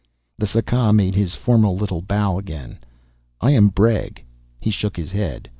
The Saka made his formal little bow again. "I am Bregg." He shook his head.